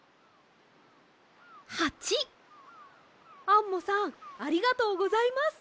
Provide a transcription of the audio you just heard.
アンモさんありがとうございます！